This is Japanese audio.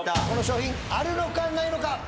この商品あるのかないのか？